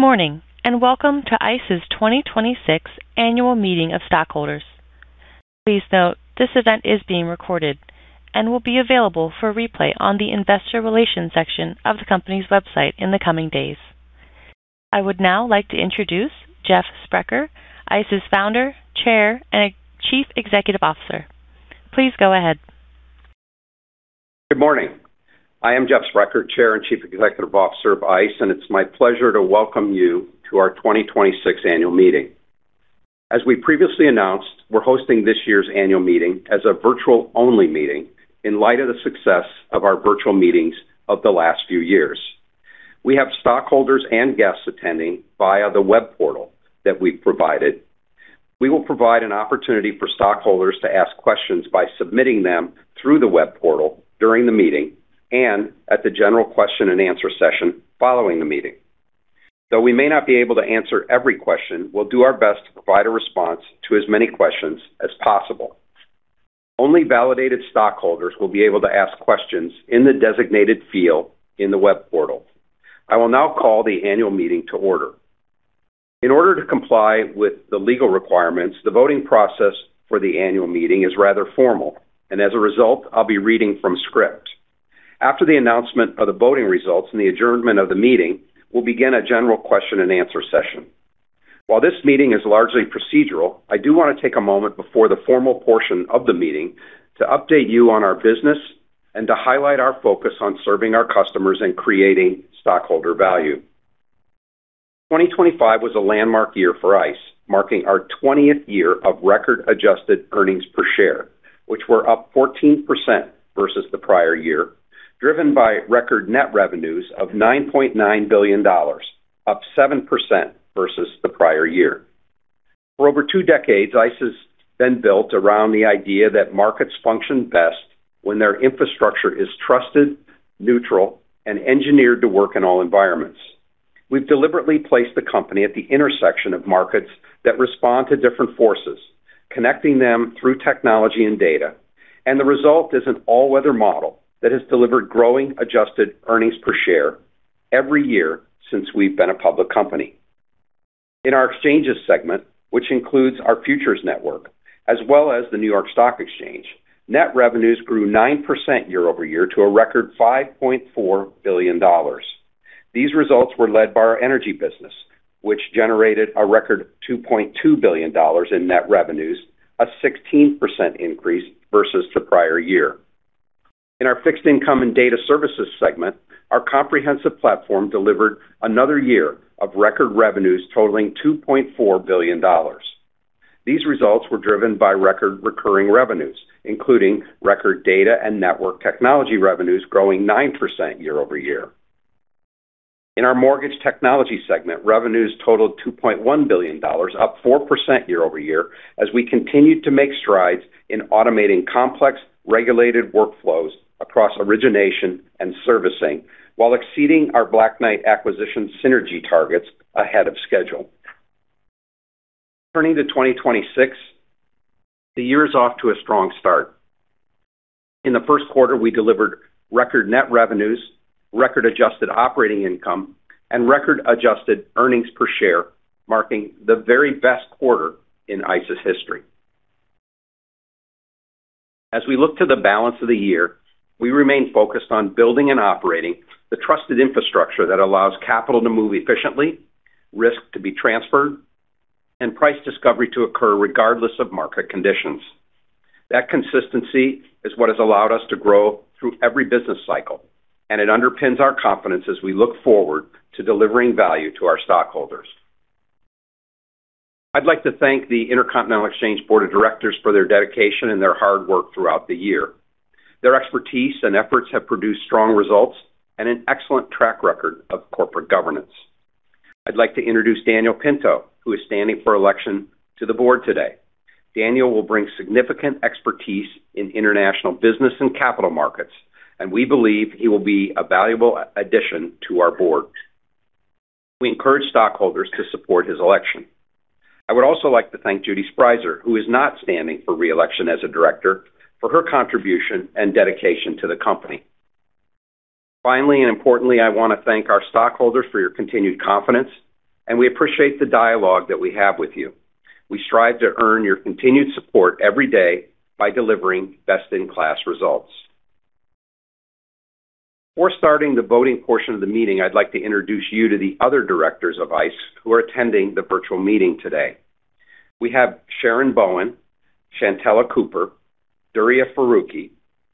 Good morning, and welcome to ICE's 2026 Annual Meeting of Stockholders. Please note this event is being recorded and will be available for replay on the investor relations section of the company's website in the coming days. I would now like to introduce Jeff Sprecher, ICE's Founder, Chair, and Chief Executive Officer. Please go ahead. Good morning. I am Jeff Sprecher, Chair and Chief Executive Officer of ICE, and it's my pleasure to welcome you to our 2026 Annual Meeting. As we previously announced, we're hosting this year's annual meeting as a virtual-only meeting in light of the success of our virtual meetings of the last few years. We have stockholders and guests attending via the web portal that we've provided. We will provide an opportunity for stockholders to ask questions by submitting them through the web portal during the meeting and at the general question and answer session following the meeting. Though we may not be able to answer every question, we'll do our best to provide a response to as many questions as possible. Only validated stockholders will be able to ask questions in the designated field in the web portal. I will now call the annual meeting to order. In order to comply with the legal requirements, the voting process for the annual meeting is rather formal. As a result, I'll be reading from script. After the announcement of the voting results and the adjournment of the meeting, we'll begin a general question and answer session. While this meeting is largely procedural, I do want to take a moment before the formal portion of the meeting to update you on our business and to highlight our focus on serving our customers and creating stockholder value. 2025 was a landmark year for ICE, marking our 20th year of record adjusted earnings per share, which were up 14% versus the prior year, driven by record net revenues of $9.9 billion, up 7% versus the prior year. For over two decades, ICE has been built around the idea that markets function best when their infrastructure is trusted, neutral, and engineered to work in all environments. We've deliberately placed the company at the intersection of markets that respond to different forces, connecting them through technology and data, and the result is an all-weather model that has delivered growing adjusted earnings per share every year since we've been a public company. In our Exchanges segment, which includes our futures network, as well as the New York Stock Exchange, net revenues grew 9% year-over-year to a record $5.4 billion. These results were led by our energy business, which generated a record $2.2 billion in net revenues, a 16% increase versus the prior year. In our Fixed Income and Data Services segment, our comprehensive platform delivered another year of record revenues totaling $2.4 billion. These results were driven by record recurring revenues, including record data and network technology revenues growing 9% year-over-year. In our Mortgage Technology segment, revenues totaled $2.1 billion, up 4% year-over-year as we continued to make strides in automating complex regulated workflows across origination and servicing while exceeding our Black Knight acquisition synergy targets ahead of schedule. Turning to 2026, the year is off to a strong start. In the first quarter, we delivered record net revenues, record adjusted operating income, and record adjusted earnings per share, marking the very best quarter in ICE's history. As we look to the balance of the year, we remain focused on building and operating the trusted infrastructure that allows capital to move efficiently, risk to be transferred, and price discovery to occur regardless of market conditions. That consistency is what has allowed us to grow through every business cycle. It underpins our confidence as we look forward to delivering value to our stockholders. I'd like to thank the Intercontinental Exchange Board of Directors for their dedication and their hard work throughout the year. Their expertise and efforts have produced strong results and an excellent track record of corporate governance. I'd like to introduce Daniel Pinto, who is standing for election to the board today. Daniel will bring significant expertise in international business and capital markets. We believe he will be a valuable addition to our board. We encourage stockholders to support his election. I would also like to thank Judith A. Sprieser, who is not standing for re-election as a director, for her contribution and dedication to the company. Finally, and importantly, I want to thank our stockholders for your continued confidence, and we appreciate the dialogue that we have with you. We strive to earn your continued support every day by delivering best-in-class results. Before starting the voting portion of the meeting, I'd like to introduce you to the other directors of ICE who are attending the virtual meeting today. We have Sharon Bowen, Shantella Cooper, Duriya Farooqui,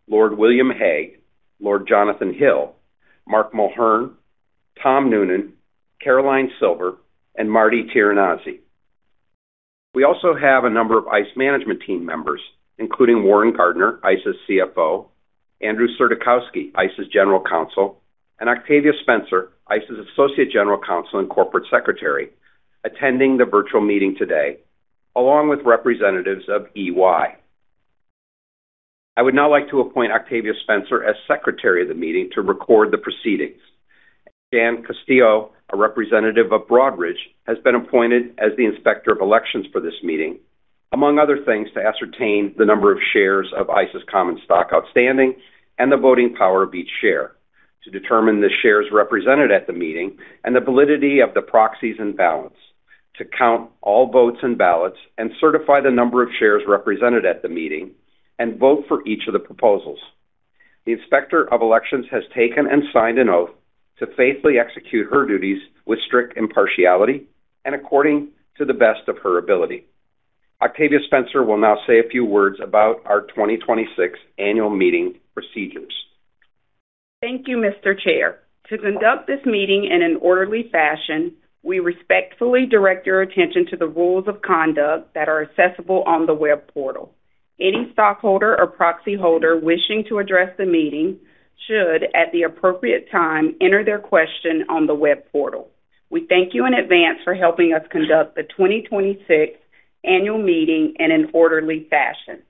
Lord William Hague, Lord Jonathan Hill, Mark Mulhern, Thomas Noonan, Caroline Silver, and Martha A. Tirinnanzi. We also have a number of ICE management team members, including Warren Gardiner, ICE's CFO, Andrew J. Surdykowski, ICE's General Counsel, and Octavia Spencer, ICE's Associate General Counsel and Corporate Secretary, attending the virtual meeting today, along with representatives of EY. I would now like to appoint Octavia Spencer as Secretary of the meeting to record the proceedings. Dan Castillo, a representative of Broadridge, has been appointed as the Inspector of Elections for this meeting, among other things, to ascertain the number of shares of ICE's common stock outstanding and the voting power of each share, to determine the shares represented at the meeting and the validity of the proxies and ballots, to count all votes and ballots and certify the number of shares represented at the meeting, and vote for each of the proposals. The Inspector of Elections has taken and signed an oath to faithfully execute her duties with strict impartiality and according to the best of her ability. Octavia Spencer will now say a few words about our 2026 annual meeting procedures. Thank you, Mr. Chair. To conduct this meeting in an orderly fashion, we respectfully direct your attention to the rules of conduct that are accessible on the web portal. Any stockholder or proxy holder wishing to address the meeting should, at the appropriate time, enter their question on the web portal. We thank you in advance for helping us conduct the 2026 Annual Meeting in an orderly fashion.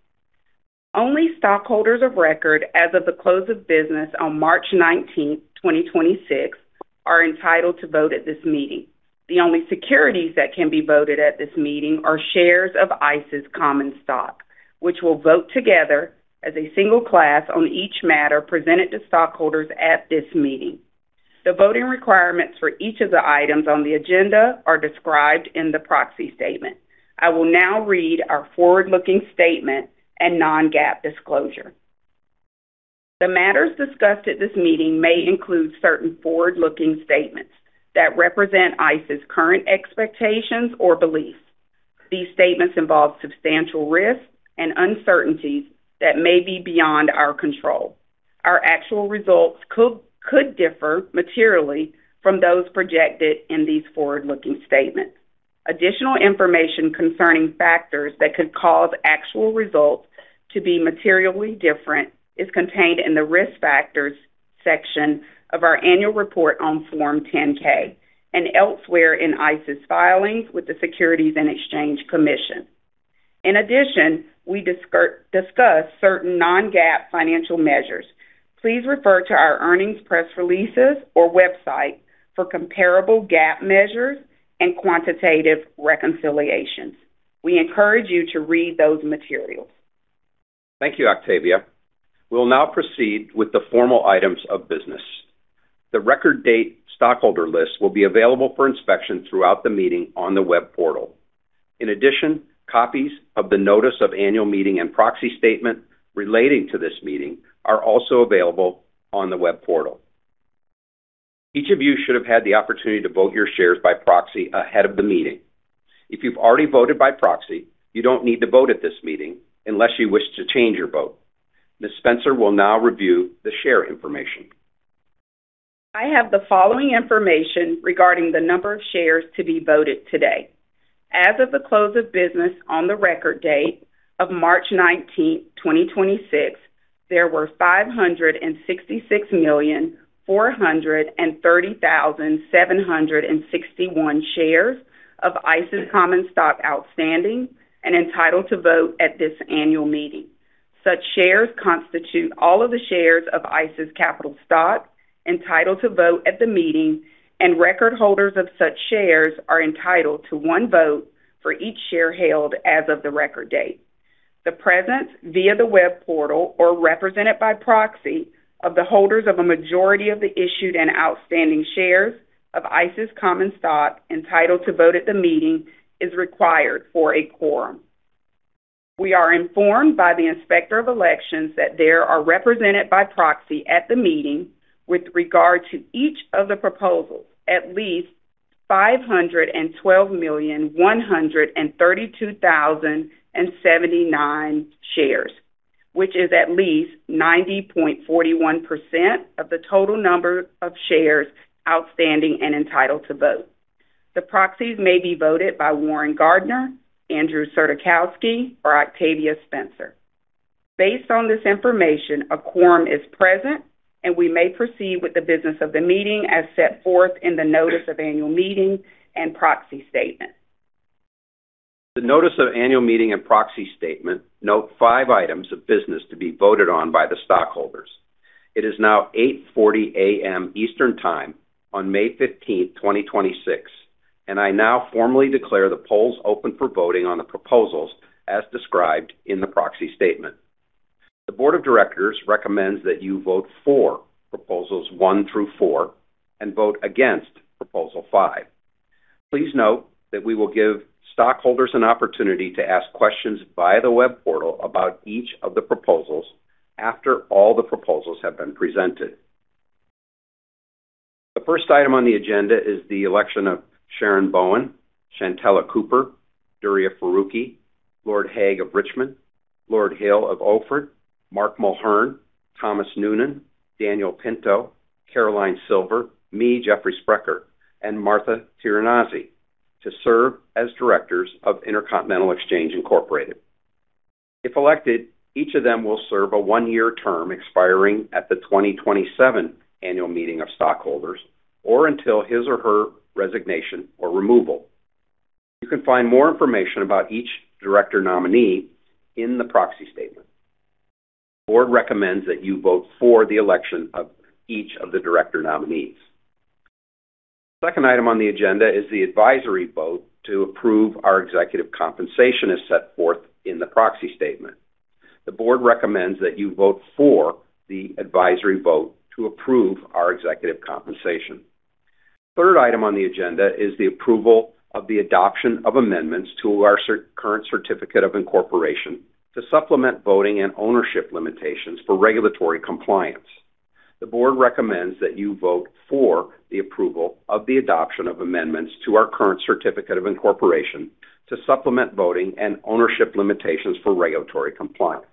Only stockholders of record as of the close of business on March 19th, 2026 are entitled to vote at this meeting. The only securities that can be voted at this meeting are shares of ICE's common stock, which will vote together as a single class on each matter presented to stockholders at this meeting. The voting requirements for each of the items on the agenda are described in the proxy statement. I will now read our forward-looking statement and non-GAAP disclosure. The matters discussed at this meeting may include certain forward-looking statements that represent ICE's current expectations or beliefs. These statements involve substantial risks and uncertainties that may be beyond our control. Our actual results could differ materially from those projected in these forward-looking statements. Additional information concerning factors that could cause actual results to be materially different is contained in the Risk Factors section of our Annual Report on Form 10-K and elsewhere in ICE's filings with the Securities and Exchange Commission. In addition, we discuss certain non-GAAP financial measures. Please refer to our earnings press releases or website for comparable GAAP measures and quantitative reconciliations. We encourage you to read those materials. Thank you, Octavia. We'll now proceed with the formal items of business. The record date stockholder list will be available for inspection throughout the meeting on the web portal. In addition, copies of the Notice of Annual Meeting and Proxy Statement relating to this meeting are also available on the web portal. Each of you should have had the opportunity to vote your shares by proxy ahead of the meeting. If you've already voted by proxy, you don't need to vote at this meeting unless you wish to change your vote. Ms. Spencer will now review the share information. I have the following information regarding the number of shares to be voted today. As of the close of business on the record date of March 19th, 2026, there were 566,430,761 shares of ICE's common stock outstanding and entitled to vote at this Annual Meeting. Such shares constitute all of the shares of ICE's capital stock entitled to vote at the meeting, and record holders of such shares are entitled to one vote for each share held as of the record date. The presence via the web portal or represented by proxy of the holders of a majority of the issued and outstanding shares of ICE's common stock entitled to vote at the meeting is required for a quorum. We are informed by the Inspector of Elections that there are represented by proxy at the meeting with regard to each of the proposals at least 512,132,079 shares, which is at least 90.41% of the total number of shares outstanding and entitled to vote. The proxies may be voted by Warren Gardiner, Andrew Surdykowski, or Octavia Spencer. Based on this information, a quorum is present, and we may proceed with the business of the meeting as set forth in the notice of annual meeting and proxy statement. The Notice of Annual Meeting and Proxy Statement note five items of business to be voted on by the stockholders. It is now 8:40 A.M. Eastern Time on May 15th, 2026, and I now formally declare the polls open for voting on the proposals as described in the proxy statement. The board of directors recommends that you vote for proposals one through four and vote against proposal five. Please note that we will give stockholders an opportunity to ask questions via the web portal about each of the proposals after all the proposals have been presented. The first item on the agenda is the election of Sharon Bowen, Shantella Cooper, Duriya Farooqui, Lord Hague of Richmond, Lord Hill of Oareford, Mark Mulhern, Thomas Noonan, Daniel Pinto, Caroline Silver, me, Jeffrey Sprecher, and Martha A. Tirinnanzi to serve as directors of Intercontinental Exchange, Inc. If elected, each of them will serve a one-year term expiring at the 2027 Annual Meeting of Stockholders or until his or her resignation or removal. You can find more information about each director nominee in the proxy statement. The board recommends that you vote for the election of each of the director nominees. Second item on the agenda is the advisory vote to approve our executive compensation as set forth in the proxy statement. The board recommends that you vote for the advisory vote to approve our executive compensation. Third item on the agenda is the approval of the adoption of amendments to our current certificate of incorporation to supplement voting and ownership limitations for regulatory compliance. The board recommends that you vote for the approval of the adoption of amendments to our current certificate of incorporation to supplement voting and ownership limitations for regulatory compliance.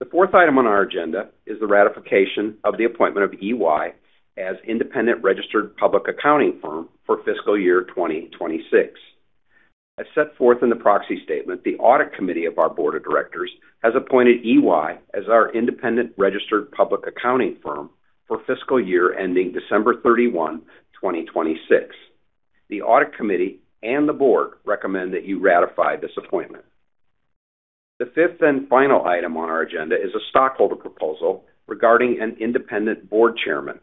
The fourth item on our agenda is the ratification of the appointment of EY as independent registered public accounting firm for fiscal year 2026. As set forth in the proxy statement, the audit committee of our board of directors has appointed EY as our independent registered public accounting firm for fiscal year ending December 31, 2026. The audit committee and the board recommend that you ratify this appointment. The fifth and final item on our agenda is a stockholder proposal regarding an independent board chairman.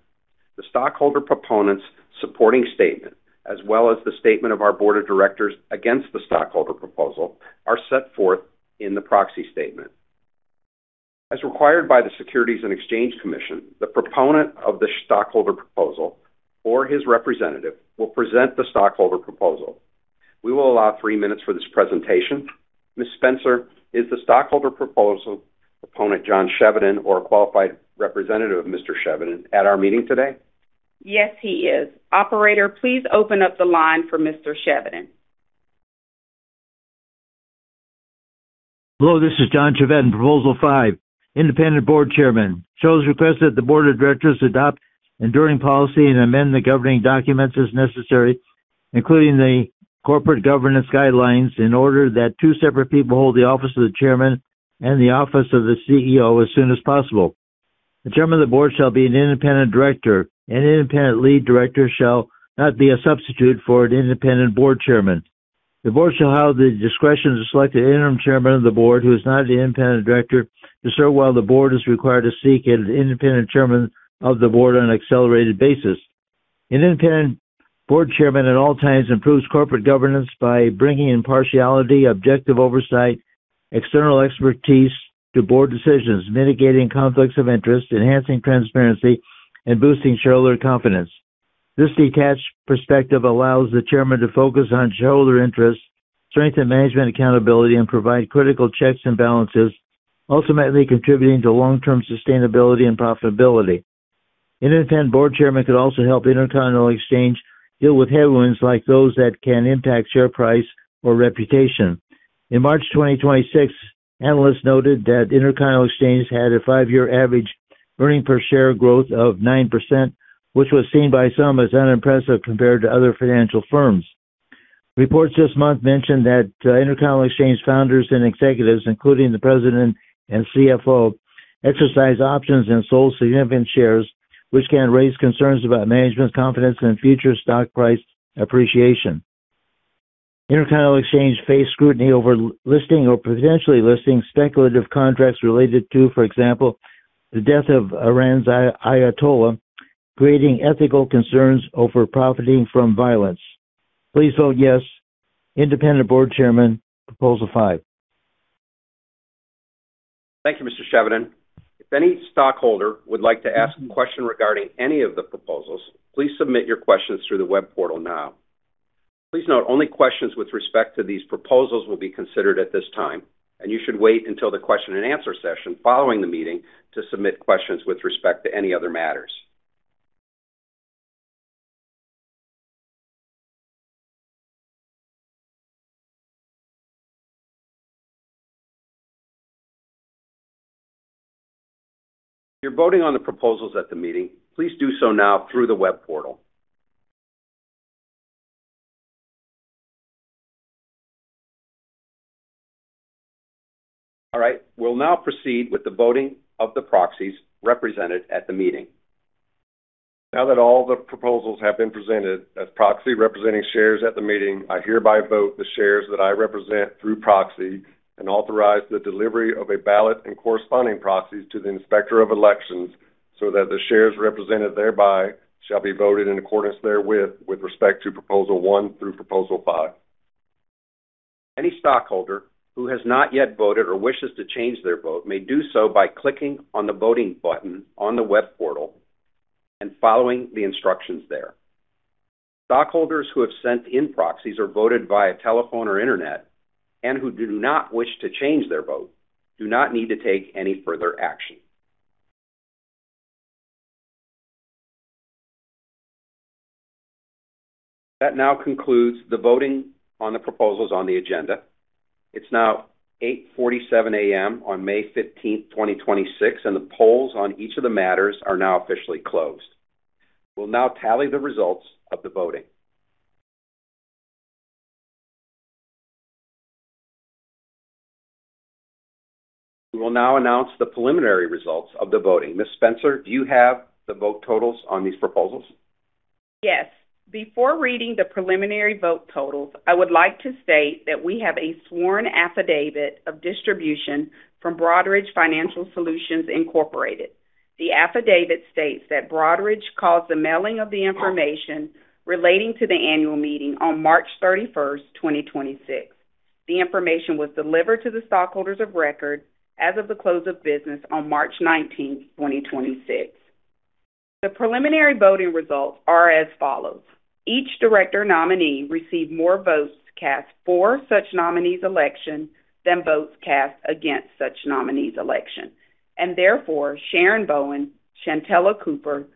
The stockholder proponent's supporting statement, as well as the statement of our board of directors against the stockholder proposal, are set forth in the proxy statement. As required by the Securities and Exchange Commission, the proponent of the stockholder proposal or his representative will present the stockholder proposal. We will allow three minutes for this presentation. Ms. Spencer, is the stockholder proposal proponent, John Chevedden, or a qualified representative of Mr. Chevedden at our meeting today? Yes, he is. Operator, please open up the line for Mr. Chevedden. Hello, this is John Chevedden, Proposal 5, Independent Board Chairman. Shows request that the board of directors adopt enduring policy and amend the governing documents as necessary, including the corporate governance guidelines, in order that two separate people hold the office of the Chairman and the office of the CEO as soon as possible. The Chairman of the Board shall be an independent director. An independent lead director shall not be a substitute for an independent board chairman. The board shall have the discretion to select an interim Chairman of the Board, who is not an independent director, to serve while the board is required to seek an independent Chairman of the Board on an accelerated basis. An independent board chairman at all times improves corporate governance by bringing impartiality, objective oversight, external expertise to board decisions, mitigating conflicts of interest, enhancing transparency, and boosting shareholder confidence. This detached perspective allows the chairman to focus on shareholder interests, strengthen management accountability, and provide critical checks and balances, ultimately contributing to long-term sustainability and profitability. Independent board chairman could also help Intercontinental Exchange deal with headwinds like those that can impact share price or reputation. In March 2026, analysts noted that Intercontinental Exchange had five-year average earnings per share growth of 9%, which was seen by some as unimpressive compared to other financial firms. Reports this month mentioned that Intercontinental Exchange founders and executives, including the President and CFO, exercised options and sold significant shares, which can raise concerns about management's confidence in future stock price appreciation. Intercontinental Exchange faced scrutiny over listing or potentially listing speculative contracts related to, for example, the death of Iran's Ayatollah, creating ethical concerns over profiting from violence. Please vote yes. Independent board chairman, Proposal 5. Thank you, Mr. Chevedden. If any stockholder would like to ask a question regarding any of the proposals, please submit your questions through the web portal now. Please note, only questions with respect to these proposals will be considered at this time, and you should wait until the question and answer session following the meeting to submit questions with respect to any other matters. If you're voting on the proposals at the meeting, please do so now through the web portal. All right, we'll now proceed with the voting of the proxies represented at the meeting. Now that all the proposals have been presented as proxy representing shares at the meeting, I hereby vote the shares that I represent through proxy and authorize the delivery of a ballot and corresponding proxies to the Inspector of Elections so that the shares represented thereby shall be voted in accordance therewith with respect to Proposal 1 through Proposal 5. Any stockholder who has not yet voted or wishes to change their vote may do so by clicking on the voting button on the web portal and following the instructions there. Stockholders who have sent in proxies or voted via telephone or internet and who do not wish to change their vote do not need to take any further action. That now concludes the voting on the proposals on the agenda. It is now 8:47 A.M. on May 15, 2026, and the polls on each of the matters are now officially closed. We will now tally the results of the voting. We will now announce the preliminary results of the voting. Ms. Spencer, do you have the vote totals on these proposals? Yes. Before reading the preliminary vote totals, I would like to state that we have a sworn affidavit of distribution from Broadridge Financial Solutions Incorporated. The affidavit states that Broadridge caused the mailing of the information relating to the Annual Meeting on March 31st, 2026. The information was delivered to the stockholders of record as of the close of business on March 19th, 2026. The preliminary voting results are as follows. Each director nominee received more votes cast for such nominee's election than votes cast against such nominee's election. Therefore, Sharon Bowen, Shantella Cooper,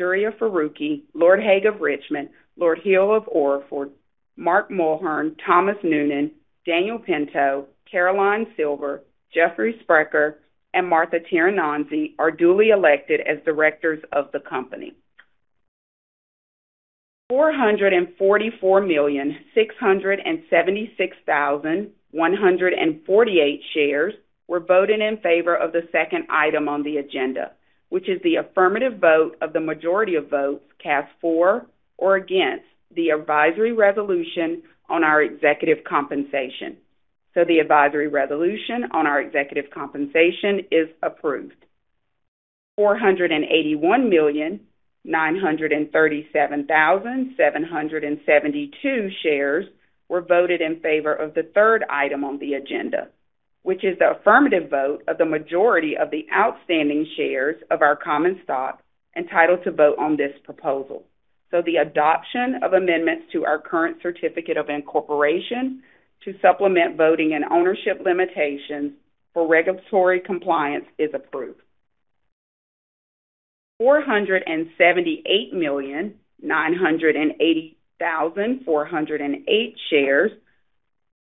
Duriya Farooqui, Lord Hague of Richmond, Lord Hill of Oareford, Mark Mulhern, Thomas Noonan, Daniel Pinto, Caroline Silver, Jeffrey Sprecher, and Marti Tirinnanzi are duly elected as directors of the company. 444,676,148 shares were voted in favor of the second item on the agenda, which is the affirmative vote of the majority of votes cast for or against the advisory resolution on our executive compensation. The advisory resolution on our executive compensation is approved. 481,937,772 shares were voted in favor of the third item on the agenda, which is the affirmative vote of the majority of the outstanding shares of our common stock entitled to vote on this proposal. The adoption of amendments to our current certificate of incorporation to supplement voting and ownership limitations for regulatory compliance is approved. 478,980,408 shares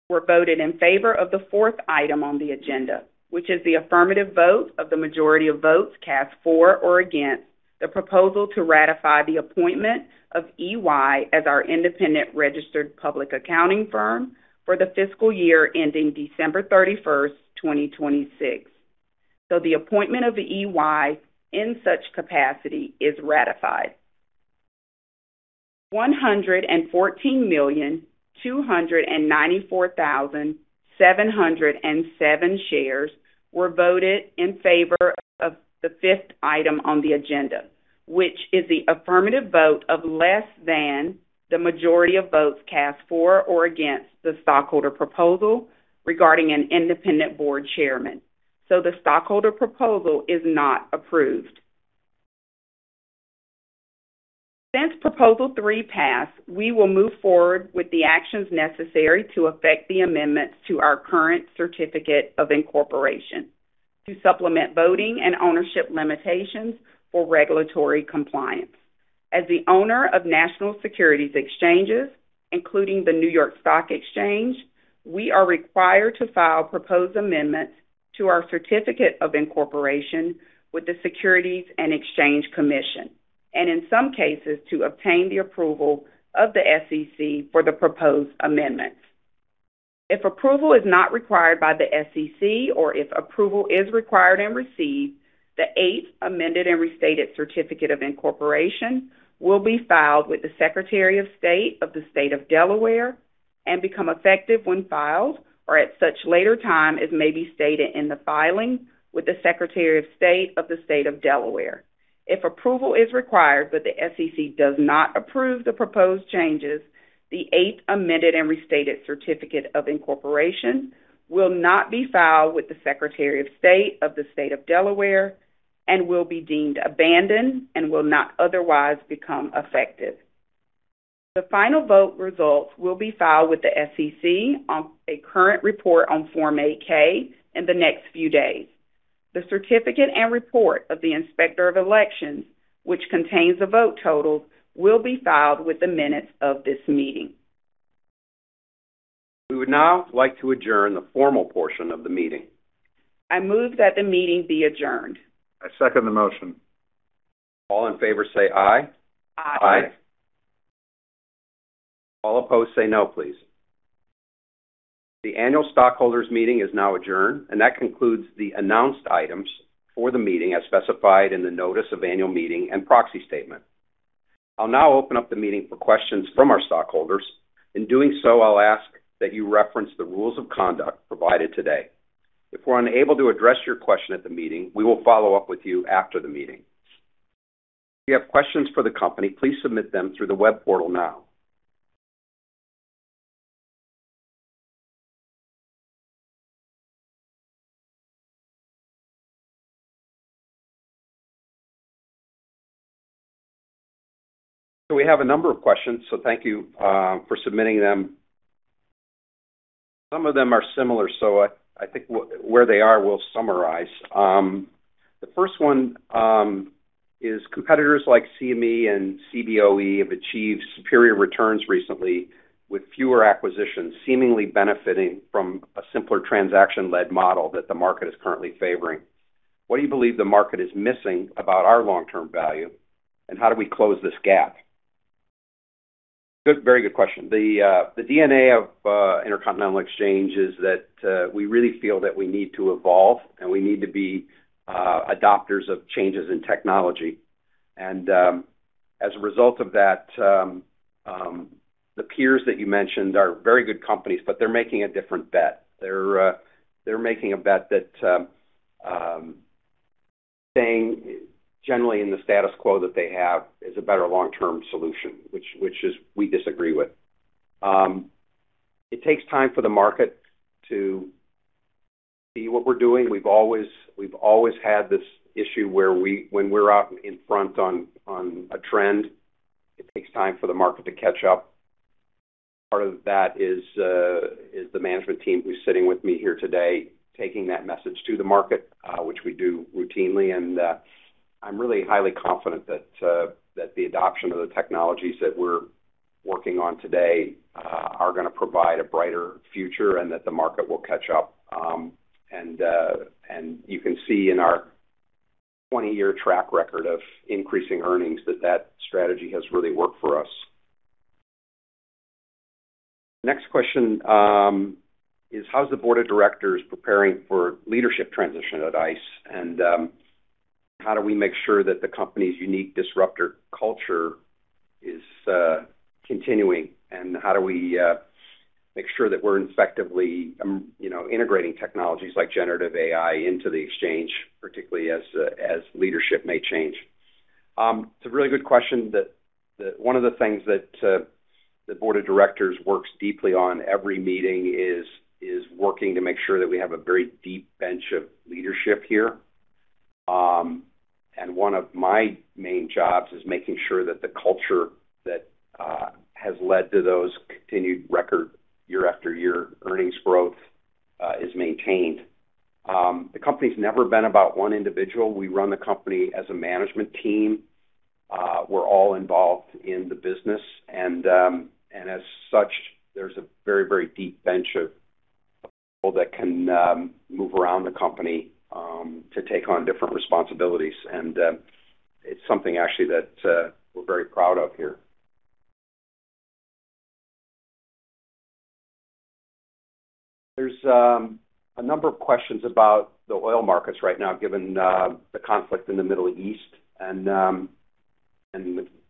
were voted in favor of the fourth item on the agenda, which is the affirmative vote of the majority of votes cast for or against the proposal to ratify the appointment of EY as our independent registered public accounting firm for the fiscal year ending December 31, 2026. The appointment of EY in such capacity is ratified. 114,294,707 shares were voted in favor of the fifth item on the agenda, which is the affirmative vote of less than the majority of votes cast for or against the stockholder proposal regarding an independent board chairman. The stockholder proposal is not approved. Since Proposal 3 passed, we will move forward with the actions necessary to affect the amendments to our current certificate of incorporation to supplement voting and ownership limitations for regulatory compliance. As the owner of National Securities Exchanges, including the New York Stock Exchange, we are required to file proposed amendments to our Certificate of Incorporation with the Securities and Exchange Commission, and in some cases, to obtain the approval of the SEC for the proposed amendments. If approval is not required by the SEC or if approval is required and received, the Eighth Amended and Restated Certificate of Incorporation will be filed with the Secretary of State of the State of Delaware and become effective when filed or at such later time as may be stated in the filing with the Secretary of State of the State of Delaware. If approval is required but the SEC does not approve the proposed changes, the Eighth Amended and Restated Certificate of Incorporation will not be filed with the Secretary of State of the State of Delaware and will be deemed abandoned and will not otherwise become effective. The final vote results will be filed with the SEC on a current report on Form 8-K in the next few days. The certificate and report of the Inspector of Elections, which contains the vote totals, will be filed with the minutes of this meeting. We would now like to adjourn the formal portion of the meeting. I move that the meeting be adjourned. I second the motion. All in favor say aye. Aye. Aye. All opposed say no, please. The Annual Stockholders Meeting is now adjourned and that concludes the announced items for the meeting as specified in the Notice of Annual Meeting and Proxy Statement. I'll now open up the meeting for questions from our stockholders. In doing so, I'll ask that you reference the rules of conduct provided today. If we're unable to address your question at the meeting, we will follow up with you after the meeting. If you have questions for the company, please submit them through the web portal now. We have a number of questions, so thank you for submitting them. Some of them are similar, so I think where they are, we'll summarize. The first one is competitors like CME and CBOE have achieved superior returns recently with fewer acquisitions seemingly benefiting from a simpler transaction-led model that the market is currently favoring. What do you believe the market is missing about our long-term value, and how do we close this gap? Good, very good question. The DNA of Intercontinental Exchange is that we really feel that we need to evolve and we need to be adopters of changes in technology. As a result of that, the peers that you mentioned are very good companies, but they're making a different bet. They're making a bet that staying generally in the status quo that they have is a better long-term solution, which is we disagree with. It takes time for the market to see what we're doing. We've always had this issue where when we're out in front on a trend, it takes time for the market to catch up. Part of that is the management team who's sitting with me here today, taking that message to the market, which we do routinely. I'm really highly confident that the adoption of the technologies that we're working on today, are gonna provide a brighter future and that the market will catch up. You can see in our 20-year track record of increasing earnings that that strategy has really worked for us. Next question is how's the Board of Directors preparing for leadership transition at ICE? How do we make sure that the company's unique disruptor culture is continuing? How do we, make sure that we're effectively, you know, integrating technologies like generative AI into the exchange, particularly as leadership may change? It's a really good question that one of the things that the board of directors works deeply on every meeting is working to make sure that we have a very deep bench of leadership here. One of my main jobs is making sure that the culture that has led to those continued record year after year earnings growth, is maintained. The company's never been about one individual. We run the company as a management team. We're all involved in the business, and as such, there's a very, very deep bench of people that can move around the company, to take on different responsibilities. It's something actually that we're very proud of here. There's a number of questions about the oil markets right now, given the conflict in the Middle East and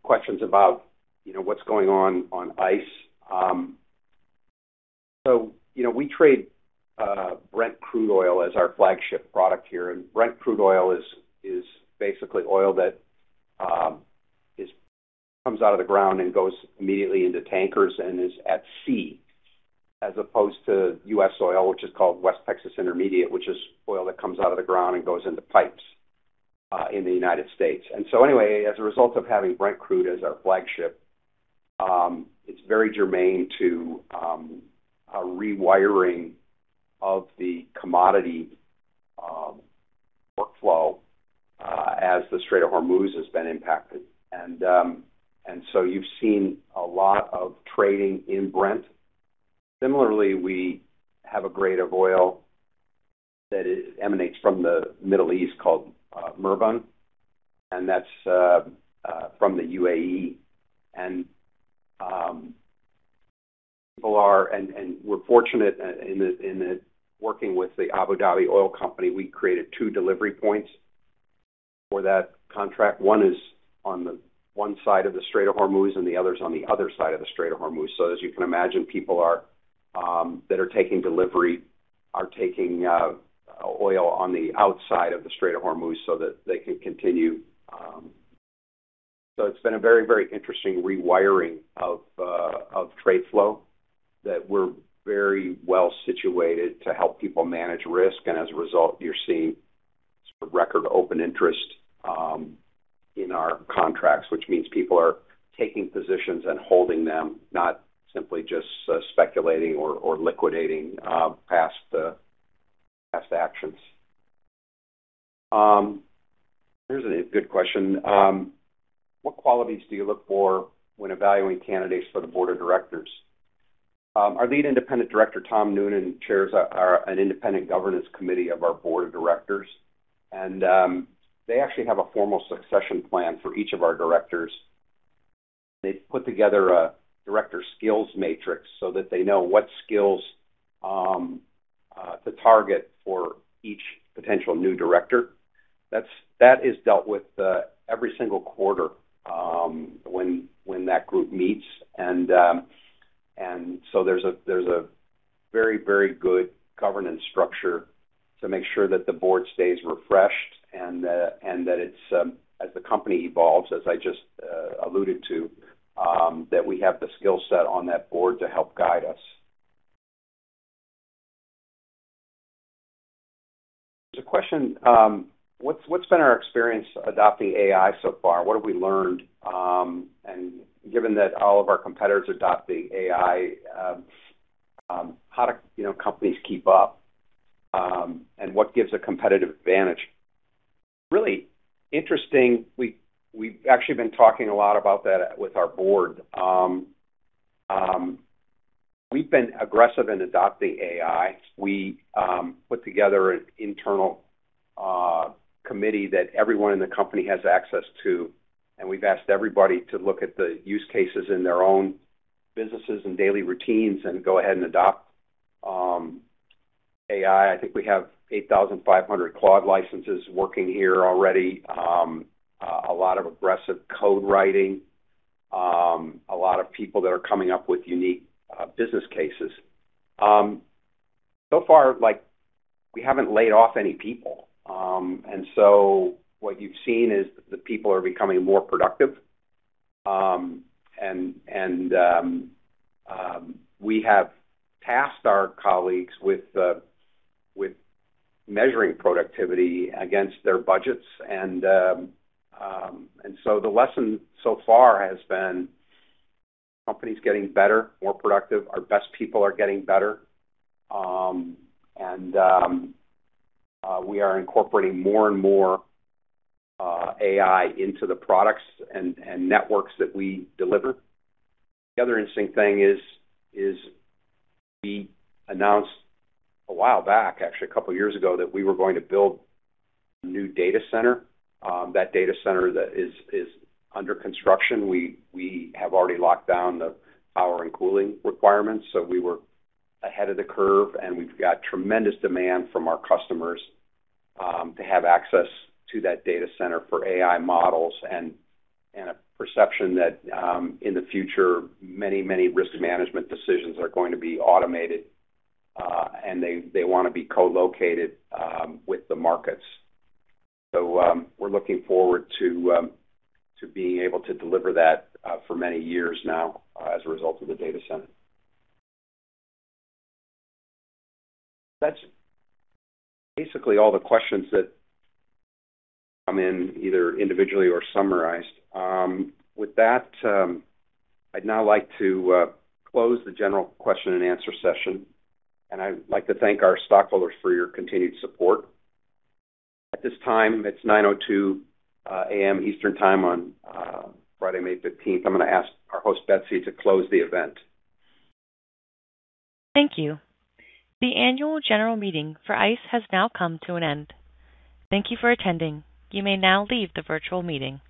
questions about, you know, what's going on on ICE. You know, we trade Brent Crude oil as our flagship product here. Brent Crude oil is basically oil that comes out of the ground and goes immediately into tankers and is at sea, as opposed to U.S. oil, which is called West Texas Intermediate, which is oil that comes out of the ground and goes into pipes in the United States. As a result of having Brent Crude as our flagship, it's very germane to a rewiring of the commodity workflow as the Strait of Hormuz has been impacted. You've seen a lot of trading in Brent. Similarly, we have a grade of oil that emanates from the Middle East called Murban, and that's from the UAE. And, [or] and we're fortunate in the, in the working with the Abu Dhabi Oil Company, we created two delivery points for that contract. One is on the one side of the Strait of Hormuz, and the others on the other side of the Strait of Hormuz. As you can imagine, people are that are taking delivery are taking oil on the outside of the Strait of Hormuz so that they can continue. It's been a very, very interesting rewiring of trade flow that we're very well situated to help people manage risk. As a result, you're seeing sort of record open interest in our contracts, which means people are taking positions and holding them, not simply just speculating or liquidating past actions. Here's a good question. What qualities do you look for when evaluating candidates for the Board of Directors? Our Lead Independent Director, Tom Noonan, chairs an independent governance committee of our Board of Directors. They actually have a formal succession plan for each of our directors. They've put together a director skills matrix so that they know what skills to target for each potential new director. That is dealt with every single quarter when that group meets. There's a very, very good governance structure to make sure that the board stays refreshed and that it's as the company evolves, as I just alluded to, that we have the skill set on that board to help guide us. There's a question, what's been our experience adopting AI so far? What have we learned? Given that all of our competitors are adopting AI, how do, you know, companies keep up? What gives a competitive advantage? Really interesting, we've actually been talking a lot about that with our board. We've been aggressive in adopting AI. We put together an internal committee that everyone in the company has access to, and we've asked everybody to look at the use cases in their own businesses and daily routines and go ahead and adopt AI. I think we have 8,500 Claude licenses working here already. A lot of aggressive code writing. A lot of people that are coming up with unique business cases. So far, like we haven't laid off any people. What you've seen is the people are becoming more productive. We have tasked our colleagues with measuring productivity against their budgets. The lesson so far has been companies getting better, more productive. Our best people are getting better. We are incorporating more and more AI into the products and networks that we deliver. The other interesting thing is we announced a while back, actually a couple of years ago, that we were going to build a new data center. That data center that is under construction. We have already locked down the power and cooling requirements, so we were ahead of the curve, and we've got tremendous demand from our customers to have access to that data center for AI models and a perception that in the future, many risk management decisions are going to be automated, and they wanna be co-located with the markets. We're looking forward to being able to deliver that for many years now as a result of the data center. That's basically all the questions that come in either individually or summarized. With that, I'd now like to close the general question and answer session, and I'd like to thank our stockholders for your continued support. At this time, it's 9:02 A.M. Eastern time on Friday, May 15, 2026. I'm gonna ask our host, Betsy, to close the event. Thank you. The Annual General Meeting for ICE has now come to an end. Thank you for attending. You may now leave the virtual meeting.